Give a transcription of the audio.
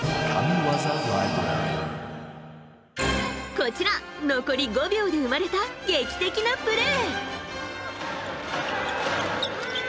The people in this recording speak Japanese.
こちら、残り５秒で生まれた劇的なプレー。